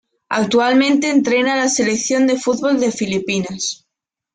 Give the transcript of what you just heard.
Actualmente entrena a la Selección de fútbol de Filipinas.